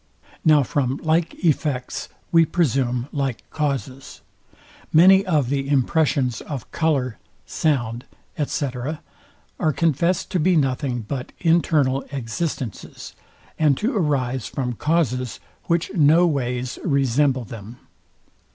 Now from like effects we presume like causes. Many of the impressions of colour, sound, &c. are confest to be nothing but internal existences, and to arise from causes, which no ways resemble them.